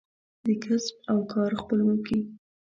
د کسب او کار خپلواکي